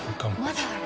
まだある。